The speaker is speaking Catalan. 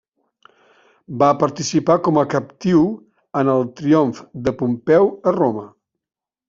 Va participar com a captiu en el triomf de Pompeu a Roma.